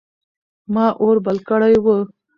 ما اور بل کړی و.